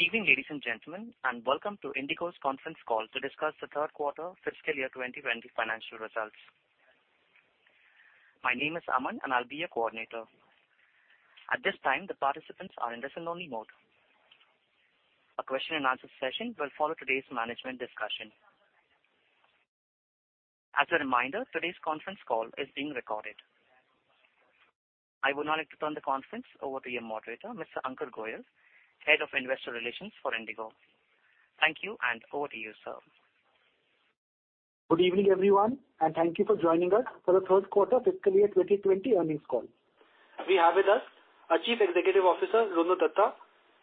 Good evening, ladies and gentlemen, and welcome to InterGlobe's conference call to discuss the third quarter fiscal year 2020 financial results. My name is Aman, and I'll be your coordinator. At this time, the participants are in listen-only mode. A question and answer session will follow today's management discussion. As a reminder, today's conference call is being recorded. I would now like to turn the conference over to your moderator, Mr. Ankur Goel, Head of Investor Relations for InterGlobe. Thank you, and over to you, sir. Good evening, everyone, thank you for joining us for the third quarter fiscal year 2020 earnings call. We have with us our Chief Executive Officer, Ronojoy Dutta,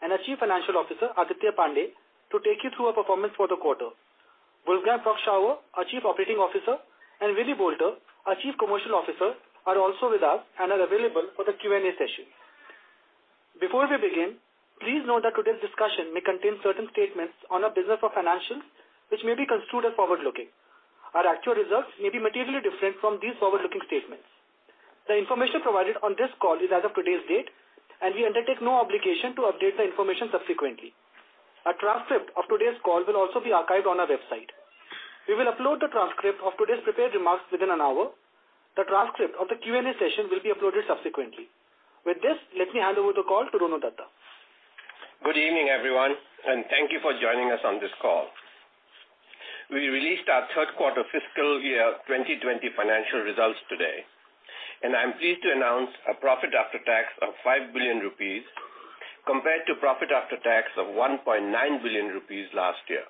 and our Chief Financial Officer, Aditya Pande, to take you through our performance for the quarter. Wolfgang Prock-Schauer, our Chief Operating Officer, and William Boulter, our Chief Commercial Officer, are also with us and are available for the Q&A session. Before we begin, please note that today's discussion may contain certain statements on our business or financials which may be construed as forward-looking. Our actual results may be materially different from these forward-looking statements. The information provided on this call is as of today's date, and we undertake no obligation to update the information subsequently. A transcript of today's call will also be archived on our website. We will upload the transcript of today's prepared remarks within an hour. The transcript of the Q&A session will be uploaded subsequently. With this, let me hand over the call to Ronojoy Dutta. Good evening, everyone, and thank you for joining us on this call. We released our third quarter fiscal year 2020 financial results today, and I'm pleased to announce a profit after tax of 5 billion rupees compared to profit after tax of 1.9 billion rupees last year.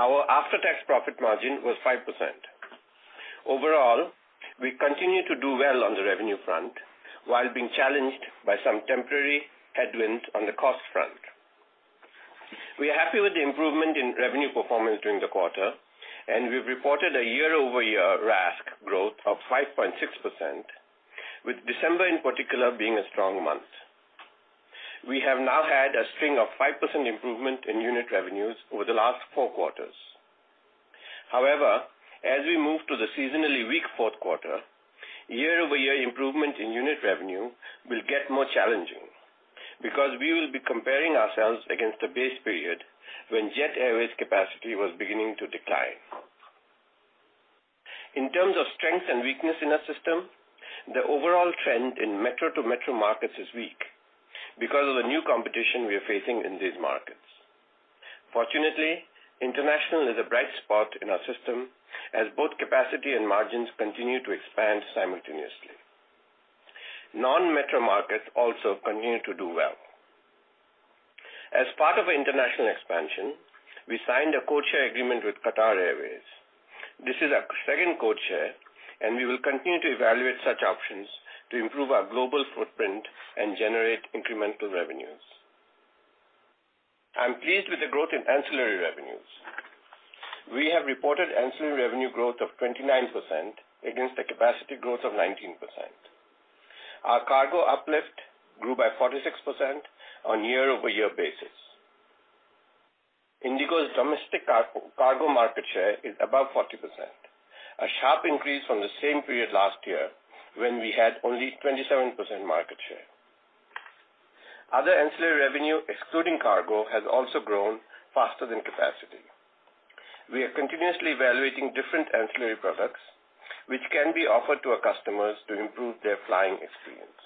Our after-tax profit margin was 5%. Overall, we continue to do well on the revenue front while being challenged by some temporary headwinds on the cost front. We are happy with the improvement in revenue performance during the quarter, and we've reported a year-over-year RASK growth of 5.6%, with December in particular being a strong month. We have now had a string of 5% improvement in unit revenues over the last four quarters. As we move to the seasonally weak fourth quarter, year-over-year improvement in unit revenue will get more challenging because we will be comparing ourselves against the base period when Jet Airways capacity was beginning to decline. In terms of strength and weakness in our system, the overall trend in metro-to-metro markets is weak because of the new competition we are facing in these markets. Fortunately, international is a bright spot in our system as both capacity and margins continue to expand simultaneously. Non-metro markets also continue to do well. As part of our international expansion, we signed a codeshare agreement with Qatar Airways. This is our second codeshare, we will continue to evaluate such options to improve our global footprint and generate incremental revenues. I'm pleased with the growth in ancillary revenues. We have reported ancillary revenue growth of 29% against a capacity growth of 19%. Our cargo uplift grew by 46% on a year-over-year basis. InterGlobe's domestic cargo market share is above 40%, a sharp increase from the same period last year when we had only 27% market share. Other ancillary revenue excluding cargo has also grown faster than capacity. We are continuously evaluating different ancillary products, which can be offered to our customers to improve their flying experience.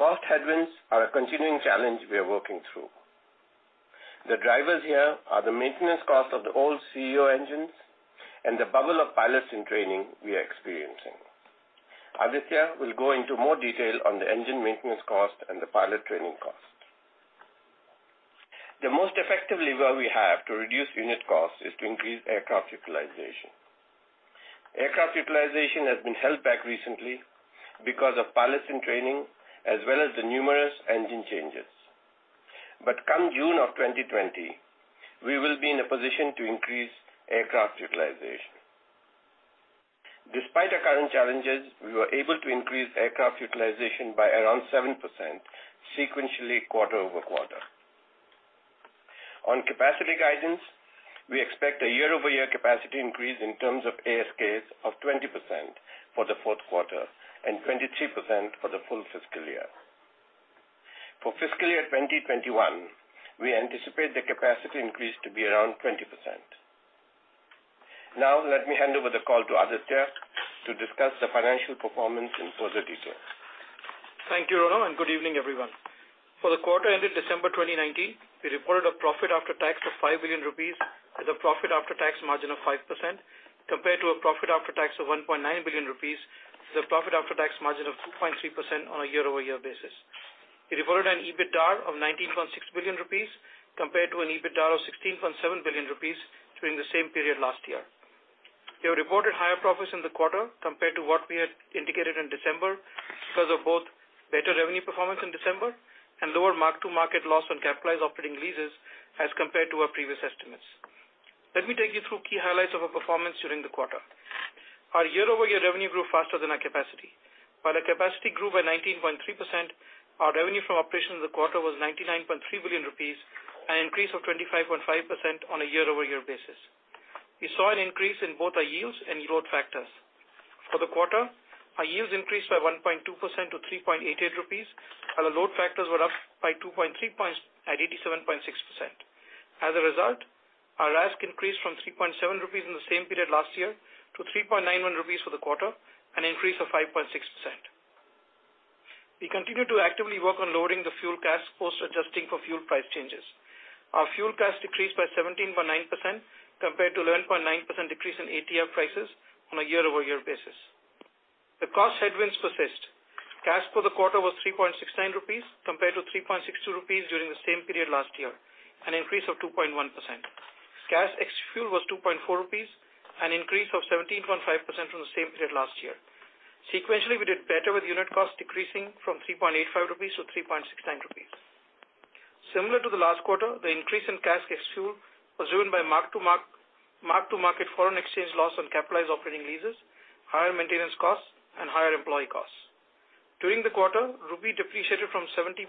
Cost headwinds are a continuing challenge we are working through. The drivers here are the maintenance cost of the old ceo engines and the bubble of pilots in training we are experiencing. Aditya will go into more detail on the engine maintenance cost and the pilot training cost. The most effective lever we have to reduce unit cost is to increase aircraft utilization. Aircraft utilization has been held back recently because of pilots in training as well as the numerous engine changes. Come June of 2020, we will be in a position to increase aircraft utilization. Despite the current challenges, we were able to increase aircraft utilization by around 7% sequentially quarter-over-quarter. On capacity guidance, we expect a year-over-year capacity increase in terms of ASKs of 20% for the fourth quarter and 23% for the full fiscal year. For fiscal year 2021, we anticipate the capacity increase to be around 20%. Now let me hand over the call to Aditya to discuss the financial performance in further detail. Thank you, Ronojoy. Good evening, everyone. For the quarter ended December 2019, we reported a profit after tax of 5 billion rupees with a profit after tax margin of 5%, compared to a profit after tax of 1.9 billion rupees with a profit after tax margin of 2.3% on a year-over-year basis. We reported an EBITDAR of 19.6 billion rupees compared to an EBITDAR of 16.7 billion rupees during the same period last year. We reported higher profits in the quarter compared to what we had indicated in December because of both better revenue performance in December and lower mark-to-market loss on capitalized operating leases as compared to our previous estimates. Let me take you through key highlights of our performance during the quarter. Our year-over-year revenue grew faster than our capacity. While our capacity grew by 19.3%, our revenue from operations in the quarter was 99.3 billion rupees, an increase of 25.5% on a year-over-year basis. We saw an increase in both our yields and load factors. For the quarter, our yields increased by 1.2% to 3.88 rupees, while the load factors were up by 2.3 points at 87.6%. Our RASK increased from 3.7 rupees in the same period last year to 3.91 rupees for the quarter, an increase of 5.6%. We continue to actively work on loading the fuel CASK post adjusting for fuel price changes. Our fuel CASK decreased by 17.9% compared to 11.9% decrease in ATF prices on a year-over-year basis. The cost headwinds persist. CASK for the quarter was 3.69 rupees compared to 3.62 rupees during the same period last year, an increase of 2.1%. CASK ex-fuel was 2.4 rupees, an increase of 17.5% from the same period last year. Sequentially, we did better with unit cost decreasing from 3.85-3.69 rupees. Similar to the last quarter, the increase in CASK ex-fuel was driven by mark-to-market foreign exchange loss on capitalized operating leases, higher maintenance costs, and higher employee costs. During the quarter, INR depreciated from 70.71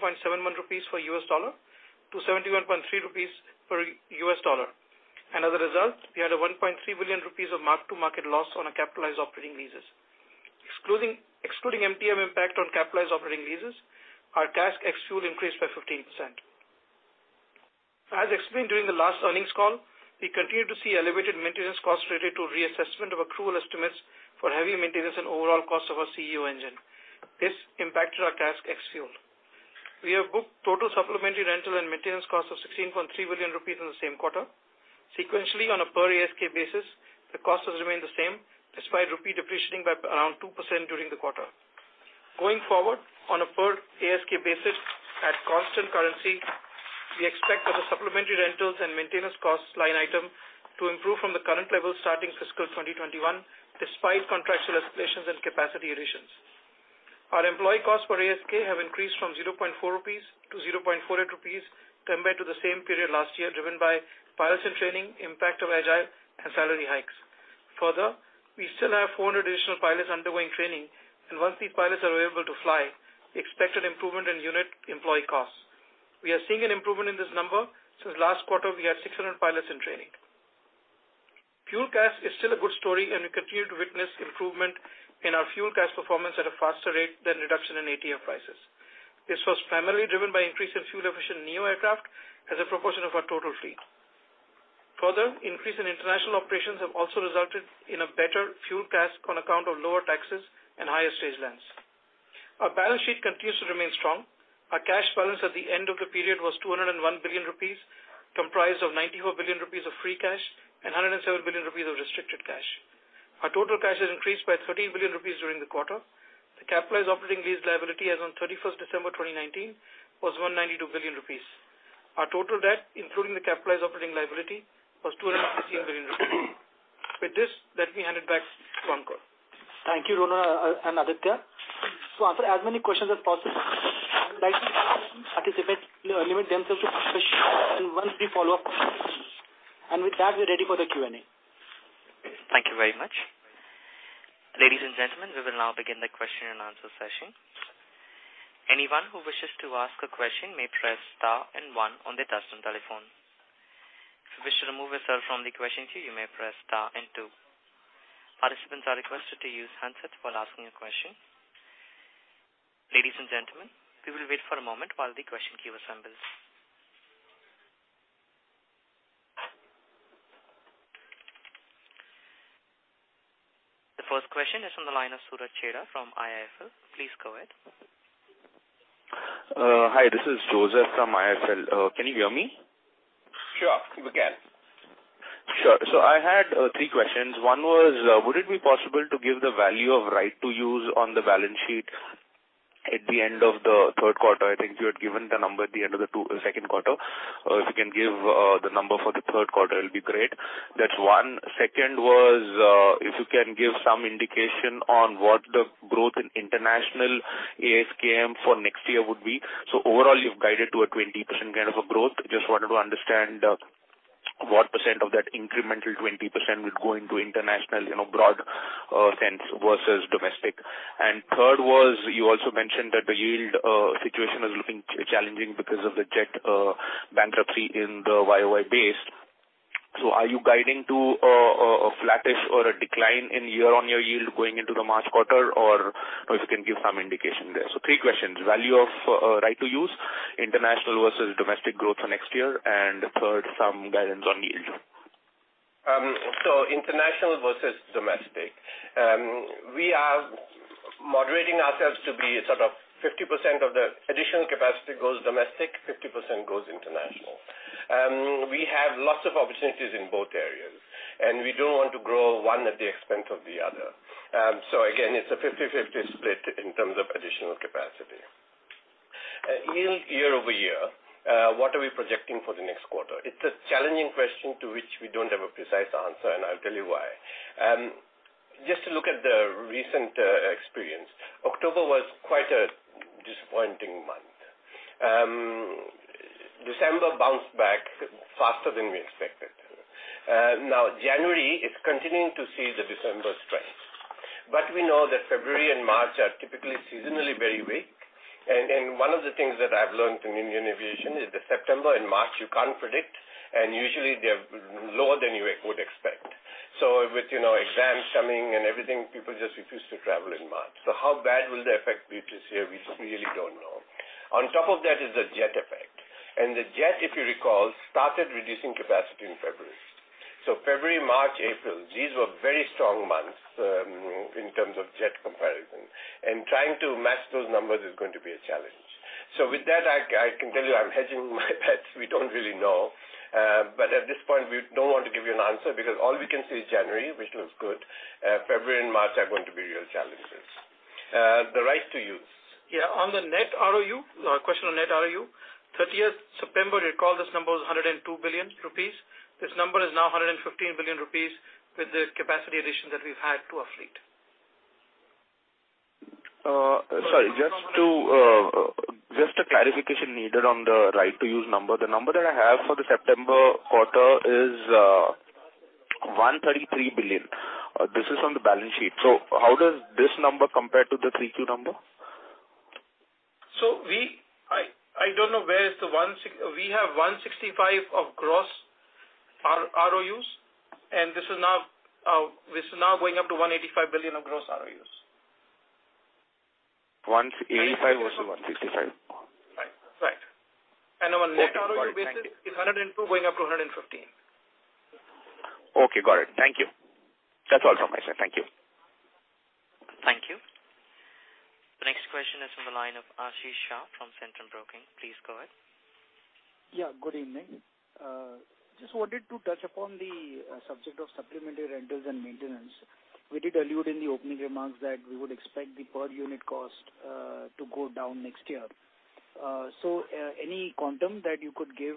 rupees per U.S. dollar to 71.3 rupees per U.S. dollar, and as a result, we had 1.3 billion rupees of mark-to-market loss on our capitalized operating leases. Excluding MTM impact on capitalized operating leases, our CASK ex-fuel increased by 15%. As explained during the last earnings call, we continue to see elevated maintenance costs related to reassessment of accrual estimates for heavy maintenance and overall cost of our ceo engine. This impacted our CASK ex-fuel. We have booked total supplementary rental and maintenance costs of 16.3 billion rupees in the same quarter. Sequentially, on a per ASK basis, the cost has remained the same despite rupee depreciating by around 2% during the quarter. Going forward, on a per ASK basis at constant currency, we expect that the supplementary rentals and maintenance costs line item to improve from the current level starting fiscal 2021, despite contractual escalations and capacity additions. Our employee costs per ASK have increased from 0.4-0.48 rupees compared to the same period last year, driven by pilots in training, impact of Agile, and salary hikes. Further, we still have 400 additional pilots undergoing training, and once these pilots are available to fly, we expect an improvement in unit employee costs. We are seeing an improvement in this number. Since last quarter, we had 600 pilots in training. Fuel CASK is still a good story. We continue to witness improvement in our fuel CASK performance at a faster rate than reduction in ATF prices. This was primarily driven by increase in fuel-efficient neo-aircraft as a proportion of our total fleet. Increase in international operations have also resulted in a better fuel CASK on account of lower taxes and higher stage lengths. Our balance sheet continues to remain strong. Our cash balance at the end of the period was 201 billion rupees, comprised of 94 billion rupees of free cash and 107 billion rupees of restricted cash. Our total cash has increased by 13 billion rupees during the quarter. The capitalized operating lease liability as on 31st December 2019 was 192 billion rupees. Our total debt, including the capitalized operating liability, was 215 billion rupees. With this, let me hand it back to Ankur. Thank you, Ronojoy and Aditya. To answer as many questions as possible, I would like participants to limit themselves to per question and one brief follow-up. With that, we're ready for the Q&A. Thank you very much. Ladies and gentlemen, we will now begin the question and answer session. Anyone who wishes to ask a question may press star and one on their touchtone telephone. If you wish to remove yourself from the question queue, you may press star and two. Participants are requested to use handsets while asking a question. Ladies and gentlemen, we will wait for a moment while the question queue assembles. The first question is from the line of Suraj Khera from IIFL. Please go ahead. Hi, this is Joseph from IIFL. Can you hear me? Sure. We can. Sure. I had three questions. One was, would it be possible to give the value of right to use on the balance sheet at the end of the third quarter? I think you had given the number at the end of the second quarter. If you can give the number for the third quarter, it'll be great. That's one. Second was, if you can give some indication on what the growth in international ASKM for next year would be. Overall, you've guided to a 20% kind of a growth. Just wanted to understand what percent of that incremental 20% would go into international broad sense versus domestic. Third was, you also mentioned that the yield situation is looking challenging because of the Jet bankruptcy in the YOY base. Are you guiding to a flattish or a decline in year-on-year yield going into the March quarter, or if you can give some indication there? Three questions, value of right to use, international versus domestic growth for next year, and third, some guidance on yield. International versus domestic. We are moderating ourselves to be sort of 50% of the additional capacity goes domestic, 50% goes international. We have lots of opportunities in both areas, and we don't want to grow one at the expense of the other. Again, it's a 50-50 split in terms of additional capacity. Yield year-over-year, what are we projecting for the next quarter? It's a challenging question to which we don't have a precise answer, and I'll tell you why. Just to look at the recent experience, October was quite a disappointing month. December bounced back faster than we expected. January, it's continuing to see the December strength. We know that February and March are typically seasonally very weak. One of the things that I've learned in Indian aviation is that September and March you can't predict, and usually they're lower than you would expect. With exams coming and everything, people just refuse to travel in March. How bad will the effect be this year, we really don't know. On top of that is the Jet effect. The Jet, if you recall, started reducing capacity in February. February, March, April, these were very strong months in terms of Jet comparison, and trying to match those numbers is going to be a challenge. With that, I can tell you, I'm hedging my bets. We don't really know. At this point, we don't want to give you an answer because all we can say is January, which was good. February and March are going to be real challenges. The right to use. Yeah. On the net ROU, question on net ROU, 30th September, you recall this number was 102 billion rupees. This number is now 115 billion rupees with the capacity addition that we've had to our fleet. Sorry, just a clarification needed on the right to use number. The number that I have for the September quarter is 133 billion. This is on the balance sheet. How does this number compare to the 3Q number? We have 165 billion of gross ROUs, and this is now going up to 185 billion of gross ROUs. 185 billion versus 165 billion. Right. Our net ROU basis is 102 billion going up to 115 billion. Okay, got it. Thank you. That's all from my side. Thank you. Thank you. The next question is from the line of Ashish Shah from Centrum Broking. Please go ahead. Yeah, good evening. Just wanted to touch upon the subject of supplementary rentals and maintenance. We did allude in the opening remarks that we would expect the per unit cost to go down next year. Any quantum that you could give,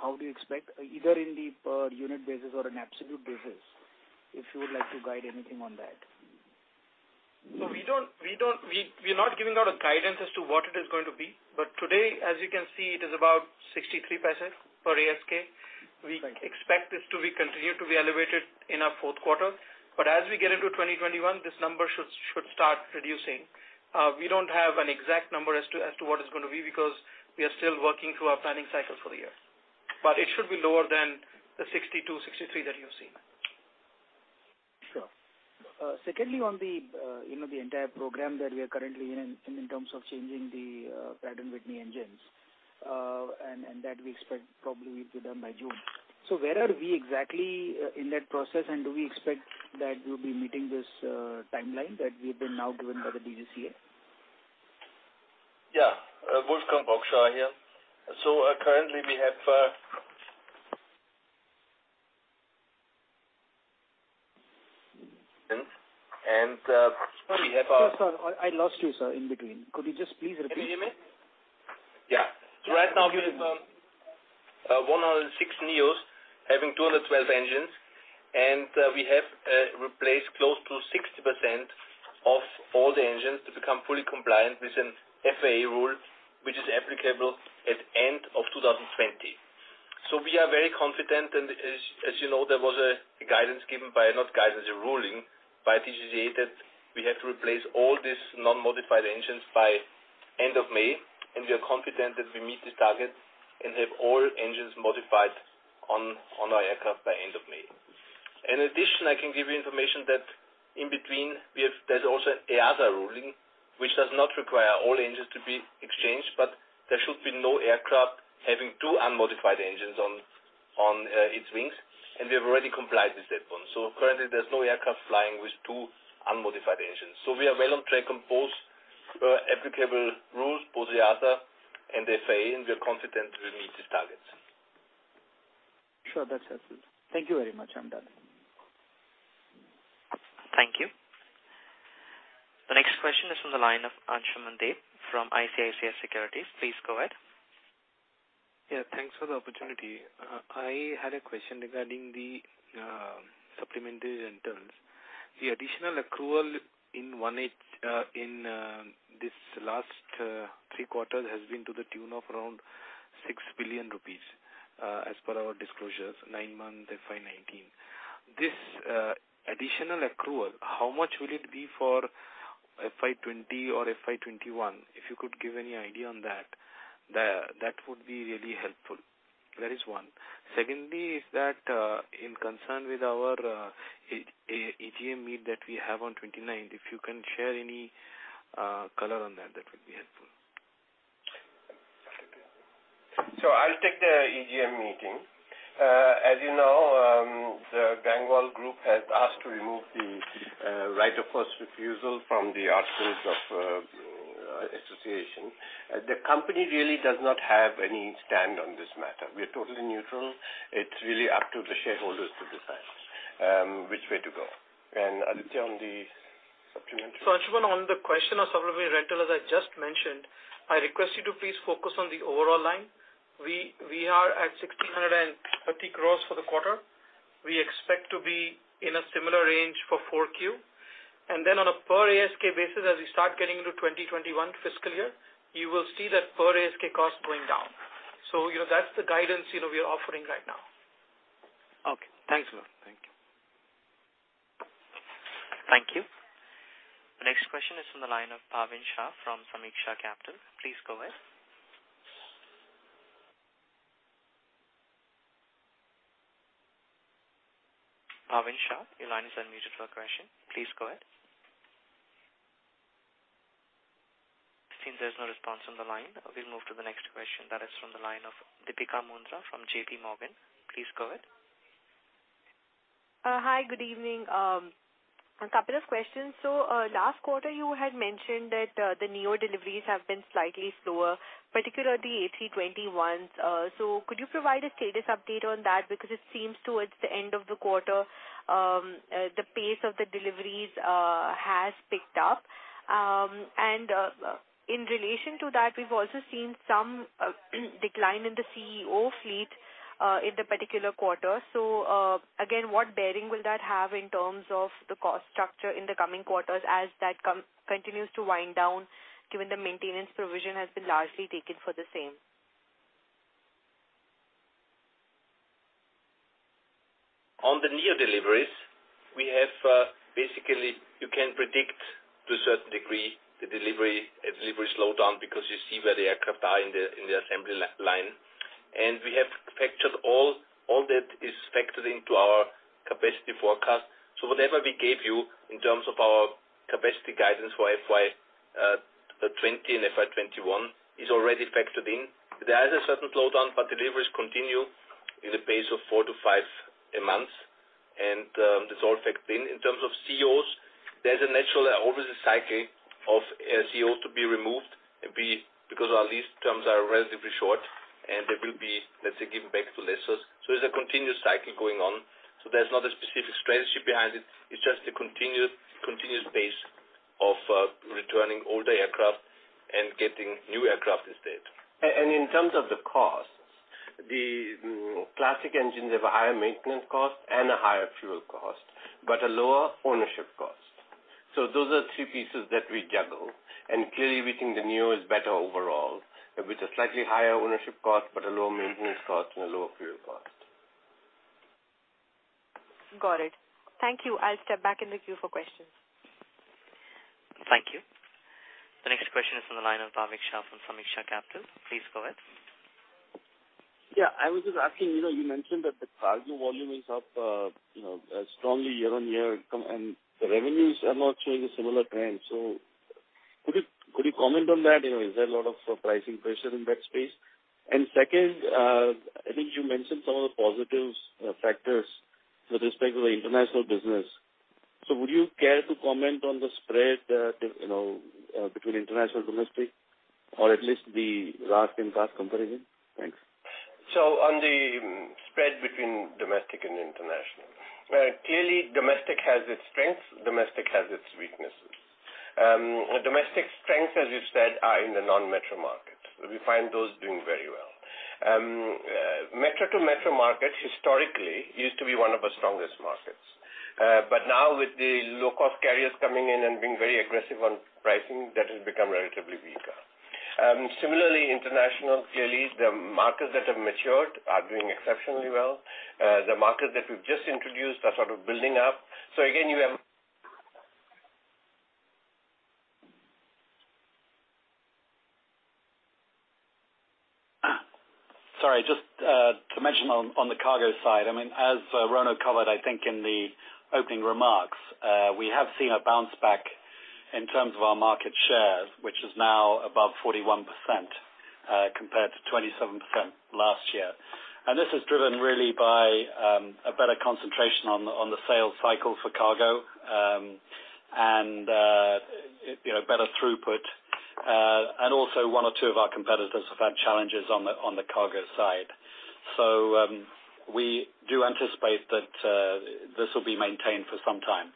how do you expect, either in the per unit basis or an absolute basis, if you would like to guide anything on that? We're not giving out a guidance as to what it is going to be, but today, as you can see, it is about 0.63 per ASK. We expect this to be continued to be elevated in our fourth quarter, but as we get into 2021, this number should start reducing. We don't have an exact number as to what it's going to be because we are still working through our planning cycle for the year. It should be lower than the 0.62, 0.63 that you've seen. Sure. Secondly, on the entire program that we are currently in terms of changing the Pratt & Whitney engines, and that we expect probably will be done by June. Where are we exactly in that process, and do we expect that we'll be meeting this timeline that we've been now given by the DGCA? Yeah. Wolfgang Prock-Schauer here. We have our- Sorry, sir. I lost you, sir, in between. Could you just please repeat? Can you hear me? Yeah. Right now we have 106 neos having 212 engines, and we have replaced close to 60% of all the engines to become fully compliant with an FAA rule, which is applicable at end of 2020. We are very confident, and as you know, there was a guidance given by, not guidance, a ruling by DGCA that we have to replace all these non-modified engines by end of May, and we are confident that we meet the target and have all engines modified on our aircraft by end of May. In addition, I can give you information that in between, there's also EASA ruling, which does not require all engines to be exchanged, but there should be no aircraft having two unmodified engines on its wings, and we have already complied with that one. Currently there's no aircraft flying with two unmodified engines. We are well on track on both applicable rules, both EASA and FAA, and we are confident we'll meet these targets. Sure. That's helpful. Thank you very much. I'm done. Thank you. The next question is from the line of Anshuman Deb from ICICI Securities. Please go ahead. Thanks for the opportunity. I had a question regarding the supplementary rentals. The additional accrual in this last three quarters has been to the tune of around 6 billion rupees, as per our disclosures, nine-month FY 2019. This additional accrual, how much will it be for FY 2020 or FY 2021? If you could give any idea on that would be really helpful. That is one. Secondly is that, in concern with our AGM meet that we have on 29th, if you can share any color on that would be helpful. I'll take the AGM meeting. As you know, the Gangwal Group has asked to remove the right of first refusal from the articles of association. The company really does not have any stand on this matter. We are totally neutral. It's really up to the shareholders to decide which way to go. Aditya, on the supplementary? Anshuman, on the question of supplementary rental, as I just mentioned, I request you to please focus on the overall line. We are at ₹1,630 crores for the quarter. We expect to be in a similar range for 4Q. On a per ASK basis, as we start getting into 2021 fiscal year, you will see that per ASK cost going down. That's the guidance we are offering right now. Okay. Thanks a lot. Thank you. Thank you. The next question is from the line of Bhavin Shah from Sameeksha Capital. Please go ahead. Bhavin Shah, your line is unmuted for a question. Please go ahead. Since there's no response from the line, we'll move to the next question that is from the line of Deepika Mundra from JPMorgan. Please go ahead. Hi, good evening. A couple of questions. Last quarter you had mentioned that the Neo deliveries have been slightly slower, particularly A321s. Could you provide a status update on that? Because it seems towards the end of the quarter, the pace of the deliveries has picked up. In relation to that, we've also seen some decline in the ceo fleet, in the particular quarter. Again, what bearing will that have in terms of the cost structure in the coming quarters as that continues to wind down, given the maintenance provision has been largely taken for the same? On the neo deliveries, basically you can predict to a certain degree the delivery slow down because you see where the aircraft are in the assembly line, and all that is factored into our capacity forecast. Whatever we gave you in terms of our capacity guidance for FY 2020 and FY 2021 is already factored in. There is a certain slowdown, but deliveries continue in the pace of four to five a month, and that's all factored in. In terms of ceos, there's a natural, obvious cycle of ceos to be removed, because our lease terms are relatively short, and they will be, let's say, given back to lessors. There's a continuous cycle going on. There's not a specific strategy behind it. It's just a continuous pace of returning older aircraft and getting new aircraft instead. In terms of the costs, the classic engines have a higher maintenance cost and a higher fuel cost, but a lower ownership cost. Those are three pieces that we juggle, and clearly we think the neo is better overall, with a slightly higher ownership cost, but a lower maintenance cost and a lower fuel cost. Got it. Thank you. I'll step back in the queue for questions. Thank you. The next question is from the line of Bhavin Shah from Sameeksha Capital. Please go ahead. Yeah, I was just asking, you mentioned that the cargo volume is up strongly year-over-year, and the revenues are not showing a similar trend. Could you comment on that? Is there a lot of pricing pressure in that space? Second, I think you mentioned some of the positive factors with respect to the international business. Would you care to comment on the spread between international and domestic, or at least the last comparison? Thanks. On the spread between domestic and international. Clearly domestic has its strengths, domestic has its weaknesses. Domestic strengths, as you said, are in the non-metro markets. We find those doing very well. Metro to metro markets historically used to be one of our strongest markets. Now with the low-cost carriers coming in and being very aggressive on pricing, that has become relatively weaker. Similarly, international, clearly the markets that have matured are doing exceptionally well. The markets that we've just introduced are sort of building up. Sorry, just to mention on the cargo side, as Ronojoy covered, I think in the opening remarks, we have seen a bounce back in terms of our market share, which is now above 41% compared to 27% last year. This is driven really by a better concentration on the sales cycle for cargo, and better throughput, and also one or two of our competitors have had challenges on the cargo side. We do anticipate that this will be maintained for some time.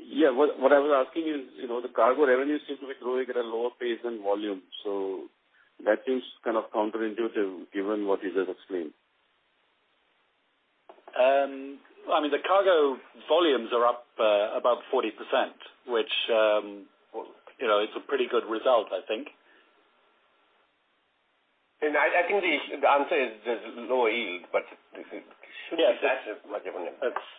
Yeah, what I was asking is, the cargo revenue seems to be growing at a lower pace than volume. That seems kind of counterintuitive given what you just explained. The cargo volumes are up about 40%, which is a pretty good result, I think. I think the answer is there's lower yield, but this should be Yes.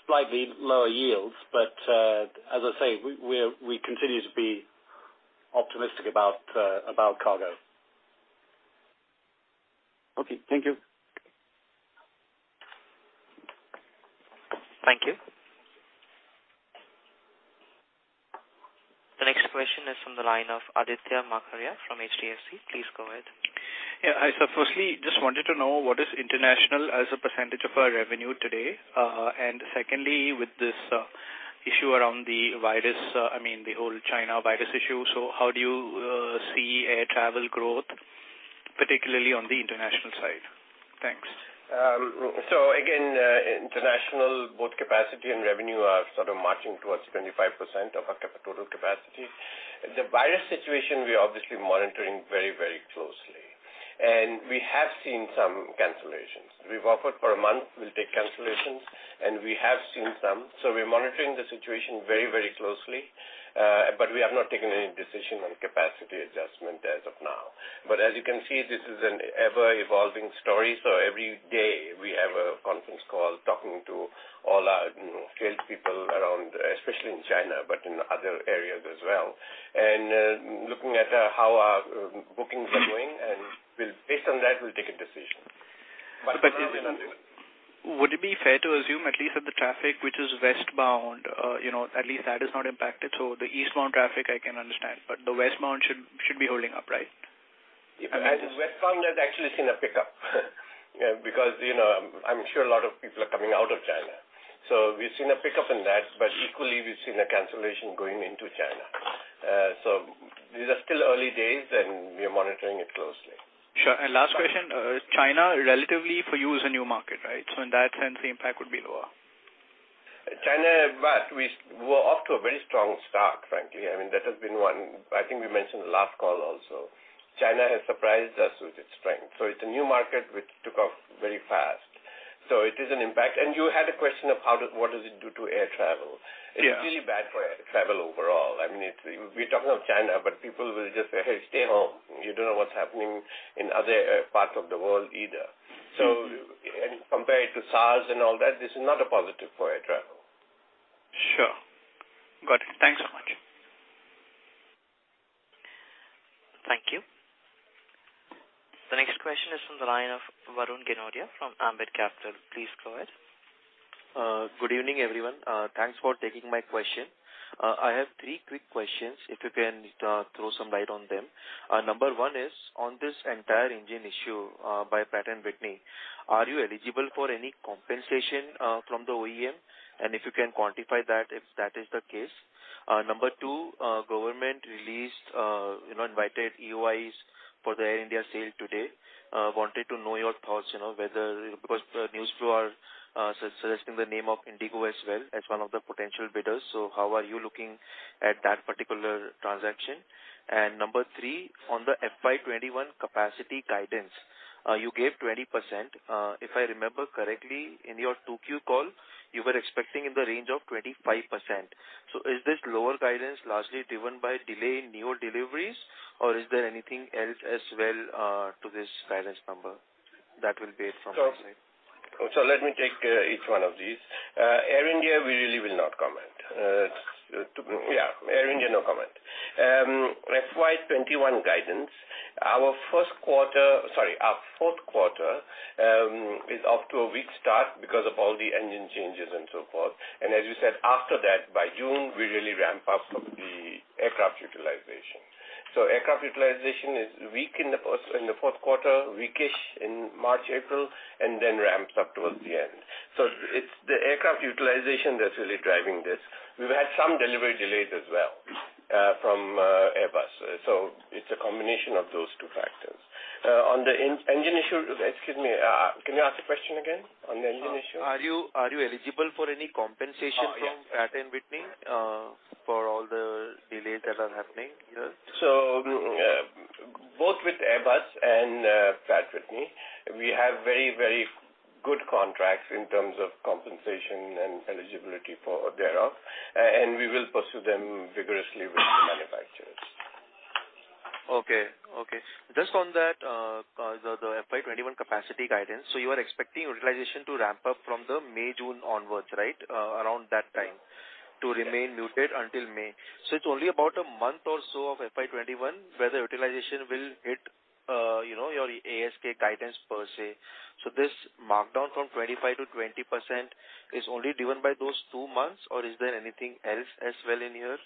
Slightly lower yields. As I say, we continue to be optimistic about cargo. Okay. Thank you. Thank you. The next question is from the line of Aditya Makharia from HDFC Securities. Please go ahead. Yeah. Firstly, just wanted to know what is international as a percentage of our revenue today. Secondly, with this issue around the virus, the whole China virus issue, how do you see air travel growth, particularly on the international side? Thanks. Again, international, both capacity and revenue are sort of marching towards 25% of our total capacity. The virus situation, we are obviously monitoring very closely. We have seen some cancellations. We've offered for a month, we'll take cancellations, and we have seen some. We're monitoring the situation very closely, but we have not taken any decision on capacity adjustment as of now. As you can see, this is an ever-evolving story. Every day we have a conference call talking to all our sales people around, especially in China, but in other areas as well, and looking at how our bookings are doing, and based on that, we'll take a decision. Would it be fair to assume at least that the traffic which is westbound, at least that is not impacted? The eastbound traffic I can understand, but the westbound should be holding up, right? Westbound has actually seen a pickup because I'm sure a lot of people are coming out of China. We've seen a pickup in that. Equally, we've seen a cancellation going into China. These are still early days, and we are monitoring it closely. Sure. Last question, China relatively for you is a new market, right? In that sense, the impact would be lower. China, but we were off to a very strong start, frankly. I mean, that has been one. I think we mentioned the last call also. China has surprised us with its strength. It is a new market which took off very fast. It is an impact. You had a question of what does it do to air travel? Yeah. It's really bad for air travel overall. I mean, we're talking of China, but people will just say, "Hey, stay home." You don't know what's happening in other parts of the world either. Compared to SARS and all that, this is not a positive for air travel. Sure. Got it. Thanks so much. Thank you. The next question is from the line of Varun Ginodia from Ambit Capital. Please go ahead. Good evening, everyone. Thanks for taking my question. I have three quick questions, if you can throw some light on them. Number one is on this entire engine issue by Pratt & Whitney, are you eligible for any compensation from the OEM? If you can quantify that, if that is the case. Number two, government released invited EOIs for the Air India sale today. Wanted to know your thoughts, whether because the news flow are suggesting the name of InterGlobe as well as one of the potential bidders. How are you looking at that particular transaction? Number three, on the FY 2021 capacity guidance, you gave 20%. If I remember correctly, in your 2Q call, you were expecting in the range of 25%. Is this lower guidance largely driven by delay in new deliveries, or is there anything else as well to this guidance number? Let me take each one of these. Air India, we really will not comment. Yeah, Air India, no comment. FY 2021 guidance. Our fourth quarter is off to a weak start because of all the engine changes and so forth. As you said, after that, by June, we really ramp up the aircraft utilization. Aircraft utilization is weak in the fourth quarter, weak-ish in March, April, and then ramps up towards the end. It's the aircraft utilization that's really driving this. We've had some delivery delays as well from Airbus. It's a combination of those two factors. Excuse me, can you ask the question again on the engine issue? Are you eligible for any compensation? Oh, yes. from Pratt & Whitney for all the delays that are happening here? Both with Airbus and Pratt & Whitney, we have very good contracts in terms of compensation and eligibility thereof, and we will pursue them vigorously with the manufacturers. Okay. Just on that, the FY 2021 capacity guidance. You are expecting utilization to ramp up from the May, June onwards, right? Around that time. To remain muted until May. It's only about a month or so of FY 2021 where the utilization will hit your ASK guidance per se. This markdown from 25 to 20% is only driven by those two months, or is there anything else as well in here?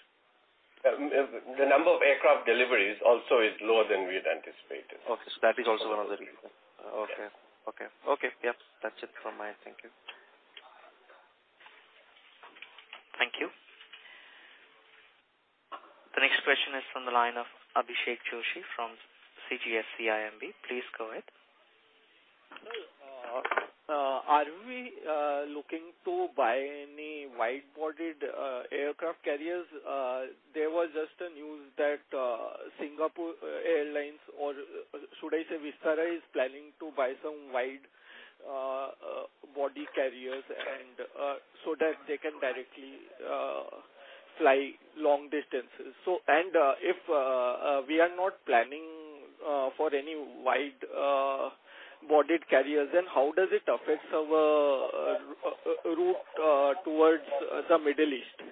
The number of aircraft deliveries also is lower than we had anticipated. Okay. That is also another reason. Yes. Okay. Yep, that's it from my end. Thank you. Thank you. The next question is from the line of Abhishek Joshi from CGS-CIMB. Please go ahead. Sir, are we looking to buy any wide-bodied aircraft carriers? There was just a news that Singapore Airlines, or should I say Vistara, is planning to buy some wide-body carriers, and so that they can directly fly long distances. If we are not planning for any wide-bodied carriers, then how does it affect our route towards the Middle East?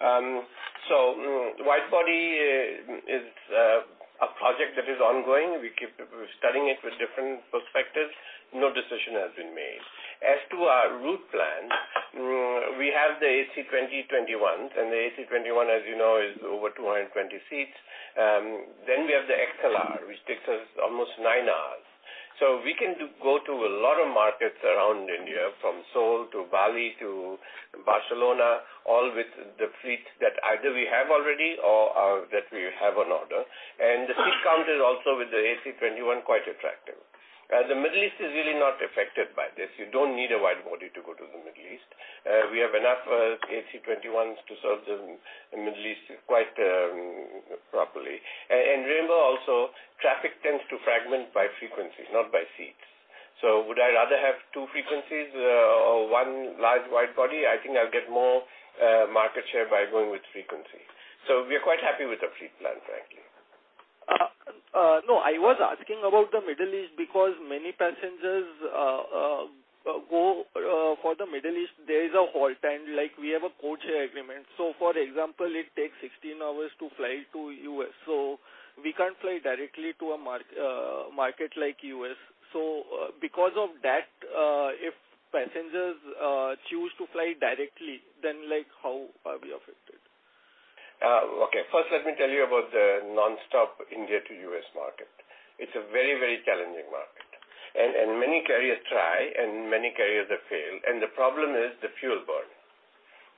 Wide-body is a project that is ongoing. We keep studying it with different perspectives. No decision has been made. As to our route plan, we have the A320s, and the A321, as you know, is over 220 seats. We have the A321XLR, which takes us almost nine hours. We can go to a lot of markets around India, from Seoul to Bali to Barcelona, all with the fleet that either we have already or that we have on order. The seat count is also with the A321 quite attractive. The Middle East is really not affected by this. You don't need a wide-body to go to the Middle East. We have enough A321s to serve the Middle East quite properly. Remember also, traffic tends to fragment by frequency, not by seats. Would I rather have two frequencies or one large wide-body? I think I'll get more market share by going with frequency. We're quite happy with the fleet plan, frankly. No, I was asking about the Middle East because many passengers go for the Middle East. There is a halt time, like we have a codeshare agreement. For example, it takes 16 hours to fly to U.S. We can't fly directly to a market like U.S. Because of that, if passengers choose to fly directly, then how are we affected? Okay. First, let me tell you about the non-stop India to U.S. market. It's a very challenging market. Many carriers try and many carriers have failed. The problem is the fuel burn.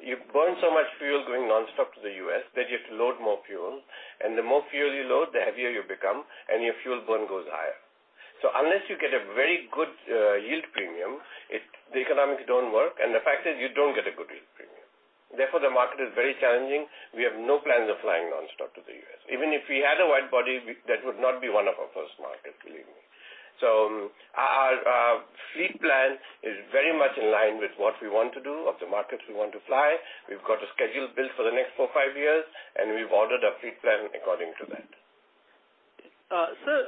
You burn so much fuel going non-stop to the U.S. that you have to load more fuel. The more fuel you load, the heavier you become, and your fuel burn goes higher. Unless you get a very good yield premium, the economics don't work, and the fact is, you don't get a good yield premium. Therefore, the market is very challenging. We have no plans of flying non-stop to the U.S. Even if we had a wide body, that would not be one of our first markets, believe me. Our fleet plan is very much in line with what we want to do, of the markets we want to fly. We've got a schedule built for the next four, five years, and we've ordered a fleet plan according to that. Sir,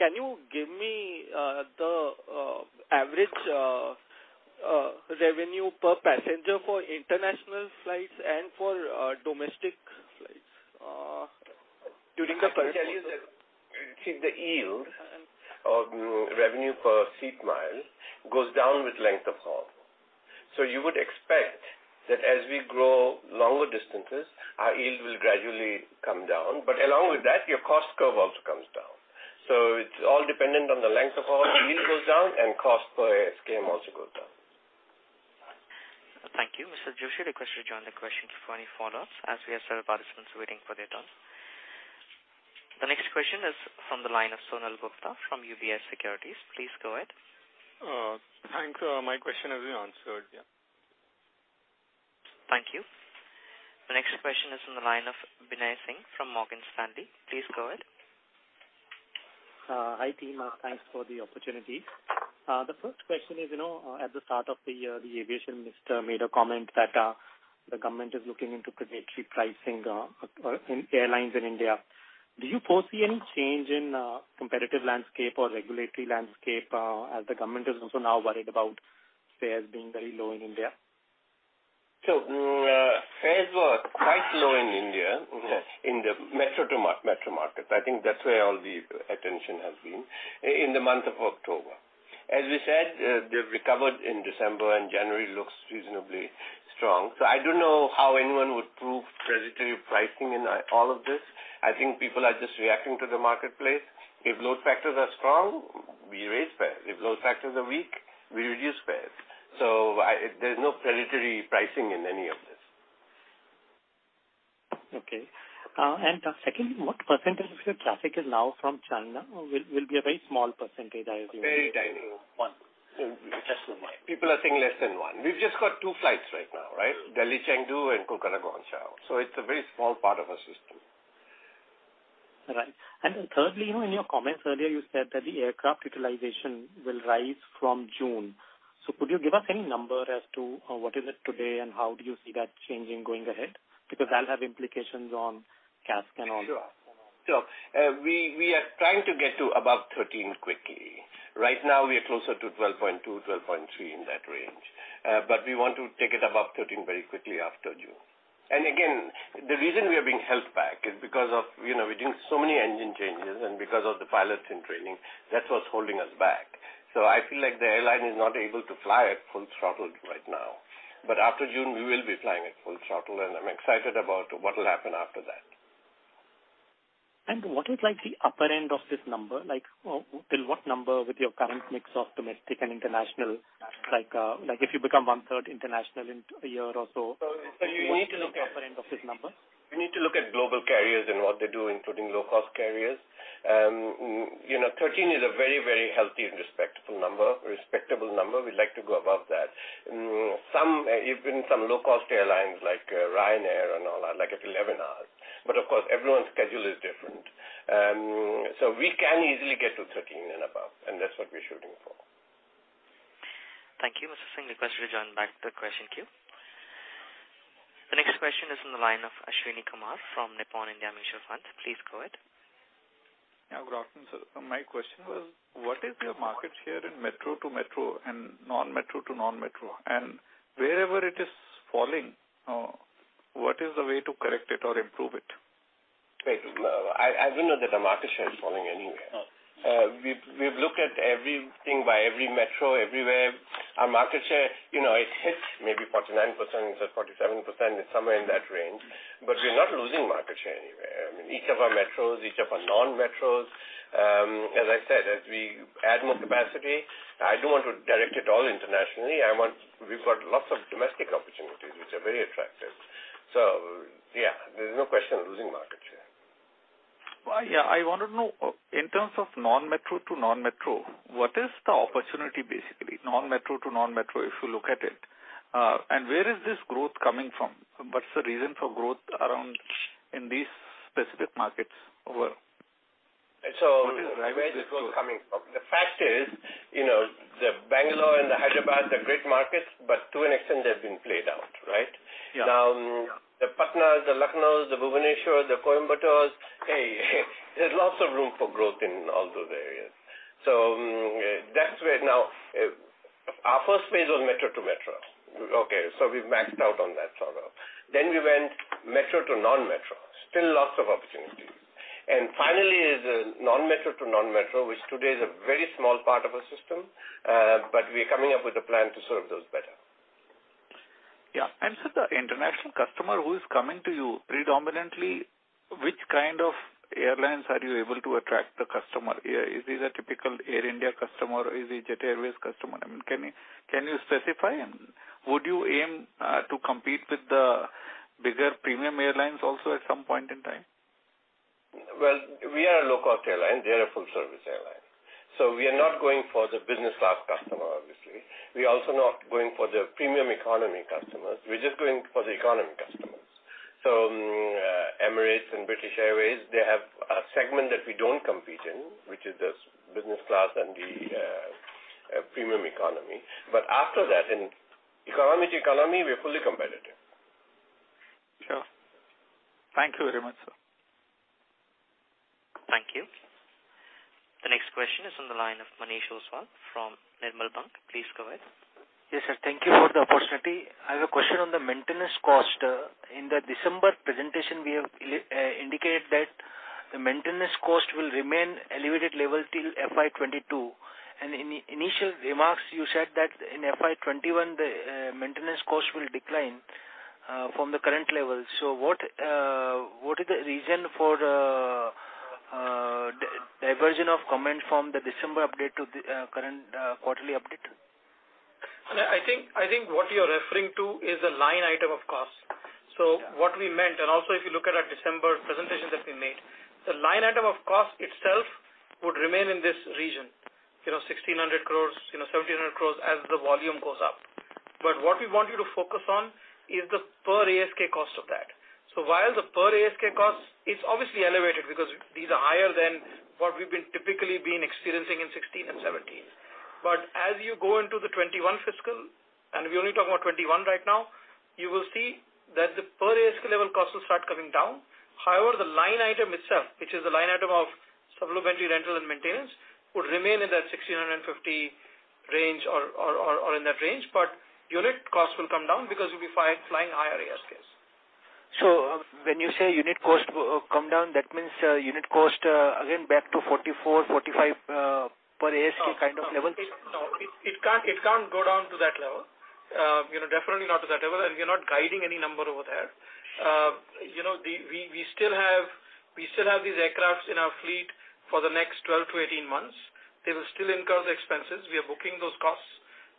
can you give me the average revenue per passenger for international flights and for domestic flights during the current-? I can tell you that the yield of revenue per seat mile goes down with length of haul. You would expect that as we grow longer distances, our yield will gradually come down. Along with that, your cost curve also comes down. It's all dependent on the length of haul. Yield goes down and cost per SKM also goes down. Thank you. Mr. Joshi, request you to join the question queue for any follow-ups as we have several participants waiting for their turns. The next question is from the line of Sonal Gupta from UBS Securities. Please go ahead. Thanks. My question has been answered. Yeah. Thank you. The next question is from the line of Binay Singh from Morgan Stanley. Please go ahead. Hi, team. Thanks for the opportunity. The first question is, at the start of the year, the aviation minister made a comment that the government is looking into predatory pricing in airlines in India. Do you foresee any change in competitive landscape or regulatory landscape as the government is also now worried about fares being very low in India? Fares were quite low in India. Yes in the metro-to-metro market. I think that's where all the attention has been in the month of October. As we said, they've recovered in December, and January looks reasonably strong. I don't know how anyone would prove predatory pricing in all of this. I think people are just reacting to the marketplace. If load factors are strong, we raise fares. If load factors are weak, we reduce fares. There's no predatory pricing in any of this. Okay. Second, what percentage of your traffic is now from China? Will be a very small percentage, I assume. Very tiny. One. Just one. People are saying less than one. We've just got two flights right now, Delhi-Chengdu and Kolkata-Guangzhou. It's a very small part of our system. Right. Thirdly, in your comments earlier, you said that the aircraft utilization will rise from June. Could you give us any number as to what is it today, and how do you see that changing going ahead? That'll have implications on CASK and all. Sure. We are trying to get to above 13 quickly. Right now, we are closer to 12.2, 12.3, in that range. We want to take it above 13 very quickly after June. Again, the reason we are being held back is because of we're doing so many engine changes and because of the pilots in training. That's what's holding us back. I feel like the airline is not able to fly at full throttle right now. After June, we will be flying at full throttle, and I'm excited about what will happen after that. What is the upper end of this number? Till what number with your current mix of domestic and international, if you become one-third international in a year or so. You need to look at. What is the upper end of this number? We need to look at global carriers and what they do, including low-cost carriers. 13 is a very healthy and respectable number. We'd like to go above that. Even some low-cost airlines like Ryanair and all are like at 11 hours. Of course, everyone's schedule is different. We can easily get to 13 and above, and that's what we're shooting for. Thank you, Mr. Singh. Request you to join back the question queue. The next question is from the line of Ashwani Kumar from Nippon India Mutual Fund. Please go ahead. Good afternoon, sir. My question was, what is your market share in metro to metro and non-metro to non-metro? Wherever it is falling, what is the way to correct it or improve it? Wait. I don't know that our market share is falling anywhere. Oh. We've looked at everything by every metro, everywhere. Our market share, it hits maybe 49%, it hits at 47%, it's somewhere in that range. We're not losing market share anywhere. I mean, each of our metros, each of our non-metros. As I said, as we add more capacity, I don't want to direct it all internationally. We've got lots of domestic opportunities, which are very attractive. Yeah, there's no question of losing market share. I wanted to know, in terms of non-metro to non-metro, what is the opportunity basically, non-metro to non-metro, if you look at it? Where is this growth coming from? What's the reason for growth in these specific markets over- Where is the growth coming from? The fact is, the Bangalore and the Hyderabad are great markets, but to an extent they've been played out, right? Yeah. The Patnas, the Lucknows, the Bhubaneswar, the Coimbatores, there's lots of room for growth in all those areas. That's where now our first phase was metro to metro. We've maxed out on that sort of. We went metro to non-metro. Still lots of opportunities. Finally is non-metro to non-metro, which today is a very small part of our system. We are coming up with a plan to serve those better. Yeah. Sir, the international customer who is coming to you predominantly, which kind of airlines are you able to attract the customer? Is it a typical Air India customer, or is it Jet Airways customer? Can you specify, and would you aim to compete with the bigger premium airlines also at some point in time? We are a low-cost airline. They are a full service airline. We are not going for the business class customer, obviously. We are also not going for the premium economy customers. We're just going for the economy customers. Emirates and British Airways, they have a segment that we don't compete in, which is just business class and the premium economy. After that, in economy to economy, we are fully competitive. Sure. Thank you very much, sir. Thank you. The next question is on the line of Manish Ostwal from Nirmal Bang. Please go ahead. Yes, sir. Thank you for the opportunity. I have a question on the maintenance cost. In the December presentation, we have indicated that the maintenance cost will remain elevated level till FY 2022. In initial remarks, you said that in FY 2021, the maintenance cost will decline from the current level. What is the reason for the diversion of comment from the December update to the current quarterly update? I think what you're referring to is a line item of cost. What we meant, and also if you look at our December presentation that we made, the line item of cost itself would remain in this region. 1,600 crore, 1,700 crore as the volume goes up. What we want you to focus on is the per ASK cost of that. While the per ASK cost is obviously elevated because these are higher than what we've been typically been experiencing in 2016 and 2017. As you go into the 2021 fiscal, and we're only talking about 2021 right now, you will see that the per ASK level cost will start coming down. The line item itself, which is the line item of supplementary rental and maintenance, would remain in that 1,650 range or in that range, but unit cost will come down because we'll be flying higher ASKs. When you say unit cost will come down, that means unit cost again back to 0.44, 0.45 per ASK kind of levels? No. It can't go down to that level. Definitely not to that level, and we are not guiding any number over there. We still have these aircraft in our fleet for the next 12 to 18 months. They will still incur the expenses. We are booking those costs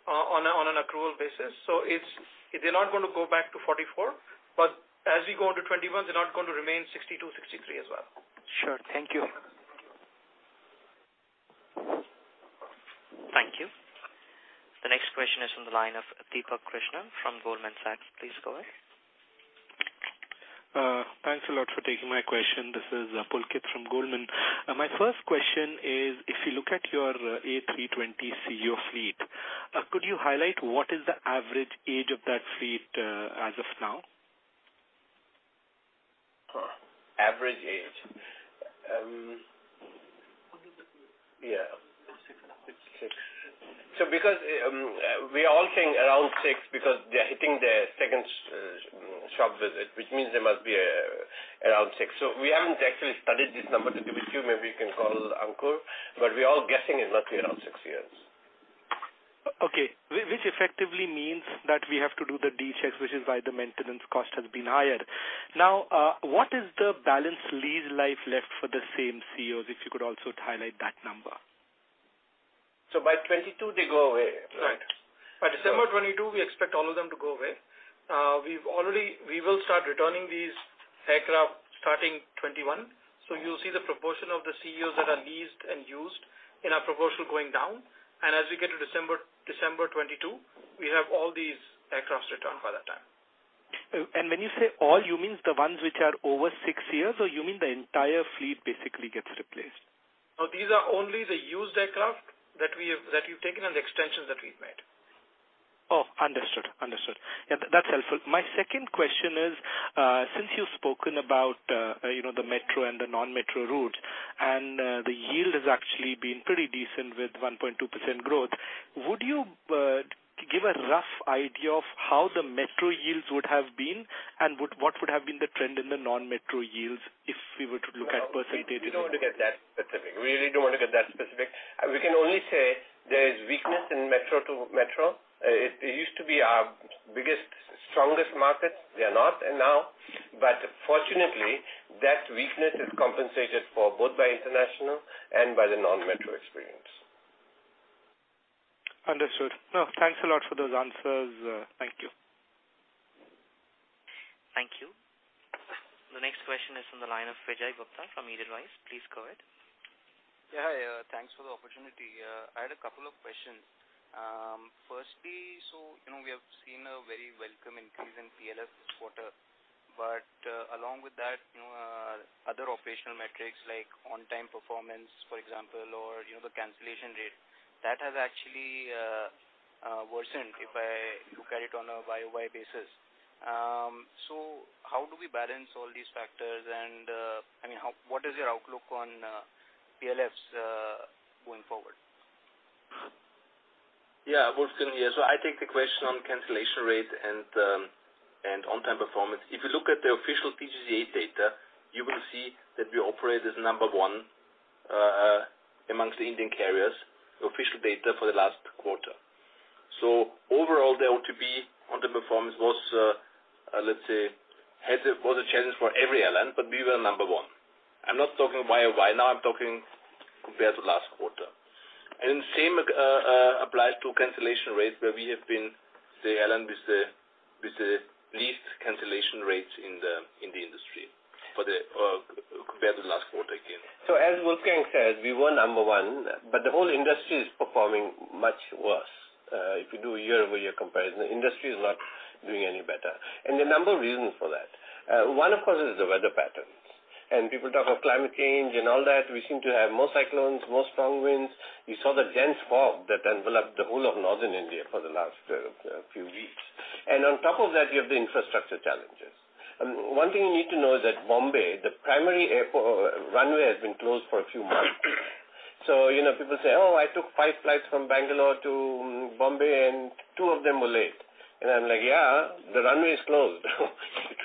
on an accrual basis. They're not going to go back to 0.44. As we go into 2021, they're not going to remain 62, 63 as well. Sure. Thank you. Thank you. The next question is on the line of Deepak Krishnan from Goldman Sachs. Please go ahead. Thanks a lot for taking my question. This is Pulkit from Goldman. My first question is, if you look at your A320ceo fleet, could you highlight what is the average age of that fleet as of now? Average age. Around six. Yeah. Six. Because we all think around six, because they're hitting their second shop visit, which means they must be around six. We haven't actually studied this number to give it to you. Maybe you can call Ankur, but we're all guessing it must be around six years. Okay. Which effectively means that we have to do the D checks, which is why the maintenance cost has been higher. What is the balance lease life left for the same ceos? If you could also highlight that number. By 2022, they go away, right? Right. By December 2022, we expect all of them to go away. We will start returning these aircraft starting 2021. You'll see the proportion of the ceos that are leased and used in our proportion going down. As we get to December 2022, we have all these aircraft returned by that time. When you say all, you mean the ones which are over six years, or you mean the entire fleet basically gets replaced? No, these are only the used aircraft that we've taken and the extensions that we've made. understood. Yeah, that's helpful. My second question is, since you've spoken about the metro and the non-metro routes, and the yield has actually been pretty decent with 1.2% growth, would you give a rough idea of how the metro yields would have been? What would have been the trend in the non-metro yields if we were to look at percentagely? We don't want to get that specific. We really don't want to get that specific. We can only say there is weakness in metro to metro. It used to be our biggest, strongest market. They are not now, but fortunately, that weakness is compensated for both by international and by the non-metro experience. Understood. Thanks a lot for those answers. Thank you. Thank you. The next question is from the line of Vijay Gupta from Vijay Gupta Advisory. Please go ahead. Yeah. Thanks for the opportunity. I had a couple of questions. Firstly, we have seen a very welcome increase in PLF this quarter. Along with that, other operational metrics like on-time performance, for example, or the cancellation rate, that has actually worsened if I look at it on a YOY basis. How do we balance all these factors? What is your outlook on PLFs going forward? Wolfgang here. I take the question on cancellation rate and On-Time Performance. If you look at the official DGCA data, you will see that we operate as number one amongst the Indian carriers, official data for the last quarter. Overall, the OTP On-Time Performance was a challenge for every airline, but we were number one. I'm not talking YOY now, I'm talking compared to last quarter. The same applies to cancellation rates, where we have been the airline with the least cancellation rates in the industry compared to last quarter again. As Wolfgang said, we were number one, the whole industry is performing much worse. If you do a year-over-year comparison, the industry is not doing any better. There are a number of reasons for that. One, of course, is the weather patterns. People talk of climate change and all that. We seem to have more cyclones, more strong winds. We saw the dense fog that enveloped the whole of Northern India for the last few weeks. On top of that, you have the infrastructure challenges. One thing you need to know is that Bombay, the primary runway, has been closed for a few months. People say, "Oh, I took five flights from Bangalore to Bombay, and two of them were late." I'm like, "Yeah, the runway is closed."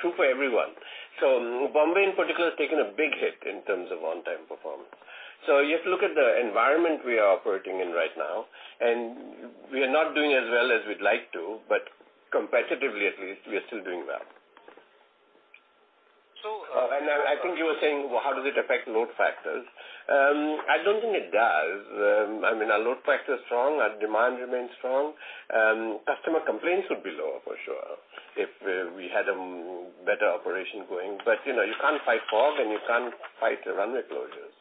True for everyone. Bombay, in particular, has taken a big hit in terms of on-time performance. You have to look at the environment we are operating in right now, and we are not doing as well as we'd like to, but competitively at least, we are still doing well. I think you were saying, how does it affect load factors? I don't think it does. Our load factor is strong, our demand remains strong. Customer complaints would be lower for sure if we had a better operation going. You can't fight fog and you can't fight the runway closures.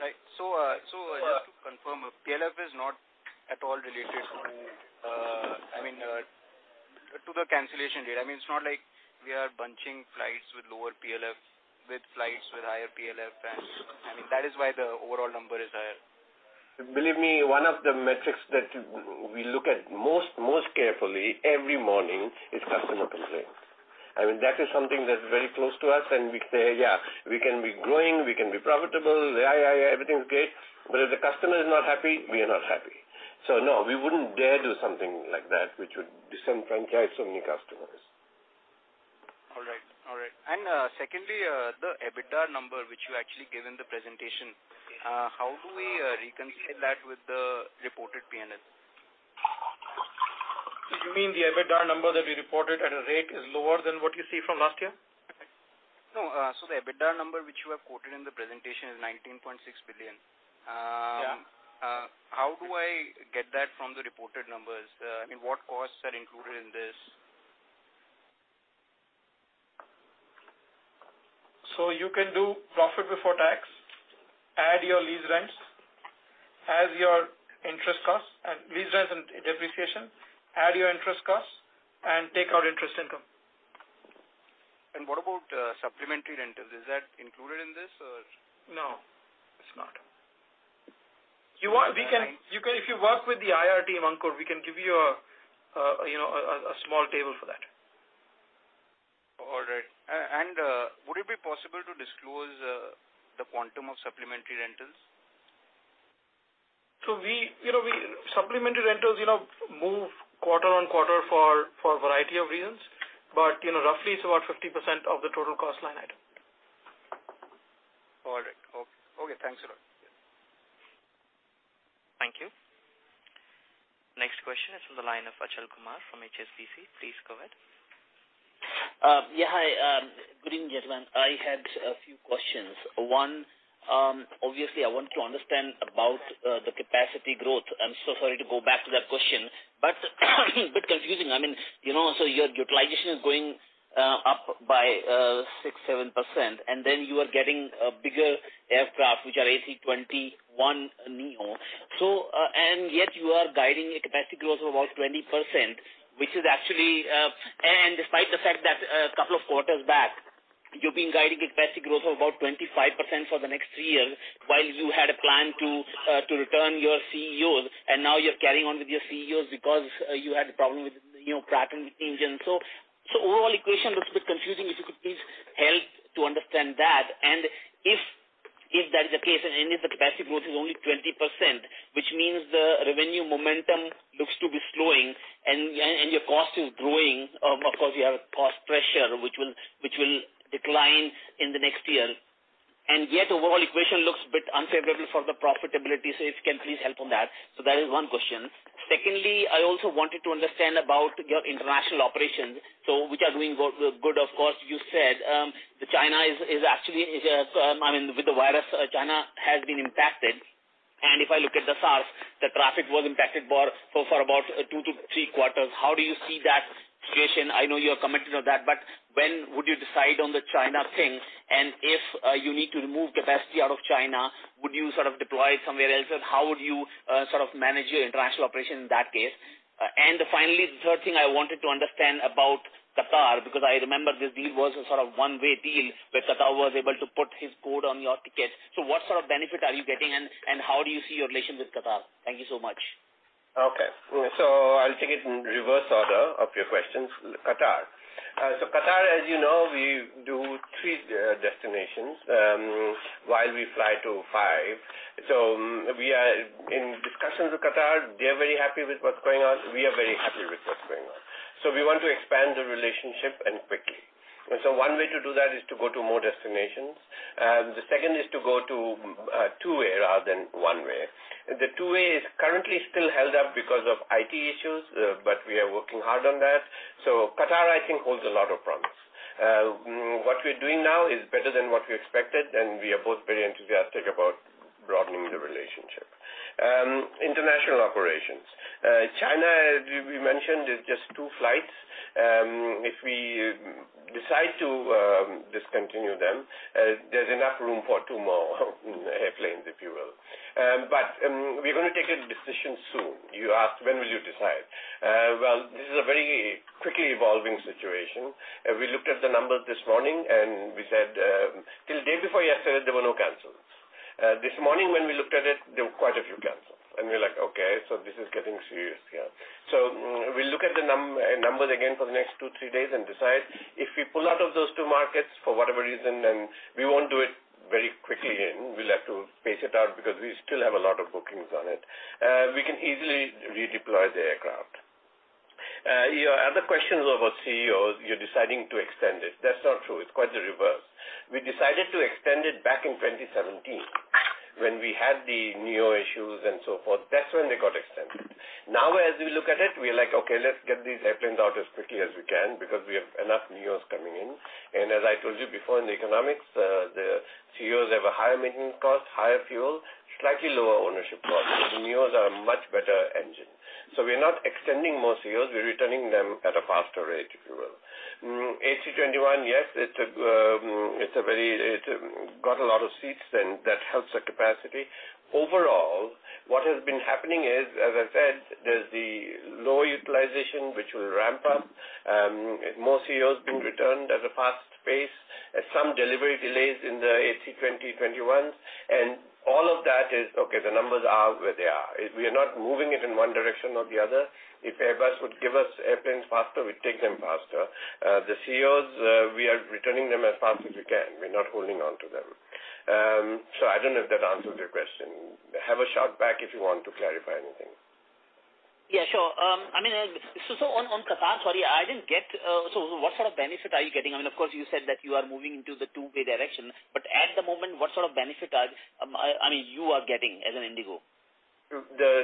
Right. Just to confirm, PLF is not at all related to the cancellation rate. It is not like we are bunching flights with lower PLF with flights with higher PLF, and that is why the overall number is higher. Believe me, one of the metrics that we look at most carefully every morning is customer complaints. That is something that's very close to us, and we say, yeah, we can be growing, we can be profitable. Yeah, everything's great. If the customer is not happy, we are not happy. No, we wouldn't dare do something like that, which would disenfranchise so many customers. All right. Secondly, the EBITDA number, which you actually gave in the presentation, how do we reconcile that with the reported P&L? Do you mean the EBITDA number that we reported at a rate is lower than what you see from last year? No. The EBITDA number, which you have quoted in the presentation, is 19.6 billion. Yeah. How do I get that from the reported numbers? What costs are included in this? You can do profit before tax, add your lease rents, lease rents and depreciation, add your interest costs, and take out interest income. What about supplementary rentals? Is that included in this, or? No, it's not. If you work with the IR team, Ankur, we can give you a small table for that. All right. Would it be possible to disclose the quantum of supplementary rentals? Supplementary rentals move quarter-on-quarter for a variety of reasons. Roughly, it's about 50% of the total cost line item. All right. Okay, thanks a lot. Thank you. Next question is from the line of Achal Kumar from HSBC. Please go ahead. Hi. Good evening, gentlemen. I had a few questions. One, obviously, I want to understand about the capacity growth. I'm so sorry to go back to that question, but a bit confusing. Your utilization is going up by 6%-7%, and then you are getting a bigger aircraft, which are A321neo. Yet you are guiding a capacity growth of about 20%, and despite the fact that a couple of quarters back, you've been guiding a capacity growth of about 25% for the next three years while you had a plan to return your ceos, and now you're carrying on with your ceos because you had a problem with Pratt & Whitney engine. Overall equation looks a bit confusing. If you could please help to understand that. If that is the case, and if the capacity growth is only 20%, which means the revenue momentum looks to be slowing and your cost is growing. Of course, you have cost pressure, which will decline in the next year. Yet overall equation looks a bit unfavorable for the profitability. If you can please help on that. That is one question. Secondly, I also wanted to understand about your international operations. Which are doing good, of course, you said. With the virus, China has been impacted. If I look at the SARS, the traffic was impacted for about two to three quarters. How do you see that situation? I know you are committed to that, but when would you decide on the China thing? If you need to remove capacity out of China, would you deploy it somewhere else? How would you manage your international operation in that case? Finally, the third thing I wanted to understand about Qatar, because I remember this deal was a one-way deal where Qatar was able to put his code on your ticket. What sort of benefit are you getting, and how do you see your relationship with Qatar? Thank you so much. Okay. I'll take it in reverse order of your questions. Qatar. Qatar, as you know, we do three destinations, while we fly to five. We are in discussions with Qatar. They're very happy with what's going on. We are very happy with what's going on. We want to expand the relationship and quickly. One way to do that is to go to more destinations. The second is to go to two-way rather than one-way. The two-way is currently still held up because of IT issues, but we are working hard on that. Qatar, I think, holds a lot of promise. What we're doing now is better than what we expected, and we are both very enthusiastic about broadening the relationship. International operations. China, as we mentioned, is just two flights. If we decide to discontinue them, there's enough room for two more airplanes, if you will. We're going to take a decision soon. You asked when will you decide. This is a very quickly evolving situation. We looked at the numbers this morning, and we said till day before yesterday, there were no cancels. This morning when we looked at it, there were quite a few cancels, and we're like, "Okay, this is getting serious here." We'll look at the numbers again for the next two, three days and decide. If we pull out of those two markets for whatever reason, then we won't do it very quickly, and we'll have to pace it out because we still have a lot of bookings on it. We can easily redeploy the aircraft. Your other question was about ceos, you're deciding to extend it. That's not true. It's quite the reverse. We decided to extend it back in 2017 when we had the neo issues and so forth. That's when they got extended. As we look at it, we are like, "Okay, let's get these airplanes out as quickly as we can because we have enough neos coming in." As I told you before in the economics, the ceos have a higher maintenance cost, higher fuel, slightly lower ownership cost, the neos are a much better engine. We're not extending more ceos; we're returning them at a faster rate, if you will. A321, yes, it got a lot of seats, that helps the capacity. Overall, what has been happening is, as I said, there's the low utilization, which will ramp up. More ceos being returned at a fast pace. Some delivery delays in the A320, A321s. All of that is, okay, the numbers are where they are. We are not moving it in one direction or the other. If Airbus would give us airplanes faster, we'd take them faster. The ceos, we are returning them as fast as we can. We're not holding on to them. I don't know if that answers your question. Have a shout back if you want to clarify anything. Yeah, sure. On Qatar, sorry, what sort of benefit are you getting? Of course, you said that you are moving into the two-way direction. At the moment, what sort of benefit you are getting as InterGlobe?